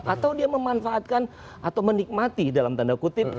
atau dia memanfaatkan atau menikmati dalam tanda kutip